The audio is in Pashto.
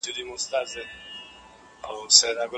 ملا پر کټ باندې اوږد پروت و.